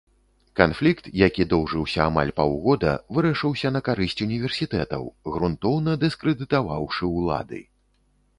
Канфлікт, які доўжыўся амаль паўгода, вырашыўся на карысць універсітэтаў, грунтоўна дыскрэдытаваўшы улады.